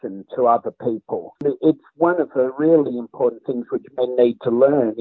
ini adalah salah satu hal yang sangat penting yang harus dilakukan oleh orang orang